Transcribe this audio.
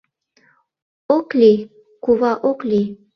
Ок лий, кува, ок лий!